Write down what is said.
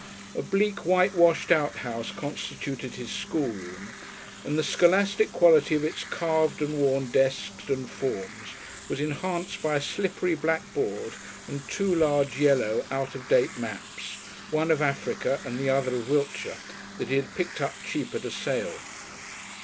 A bleak white washed outhouse constituted his schoolroom, and the scholastic quality of its carved and worn desks and forms was enhanced by a slippery blackboard and two large yellow out of date maps, one of Africa and the other of Wiltshire, that he had picked up cheap at a sale.